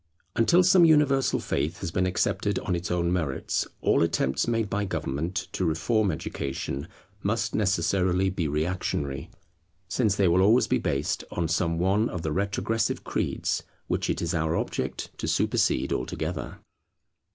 Until some universal faith has been accepted on its own merits, all attempts made by Government to reform education must necessarily be reactionary; since they will always be based on some one of the retrogressive creeds which it is our object to supersede altogether.